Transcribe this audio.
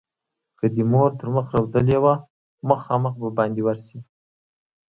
که دې مور تر مخ رودلې وه؛ مخامخ به باندې ورشې.